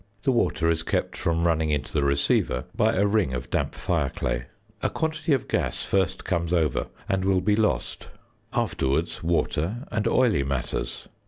The water is kept from running into the receiver by a ring of damp fire clay. A quantity of gas first comes over and will be lost, afterwards water and oily matters.